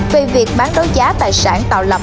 vì việc bán đấu giá tài sản tạo lập